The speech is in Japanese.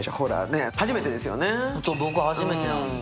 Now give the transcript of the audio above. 僕は初めてなんです。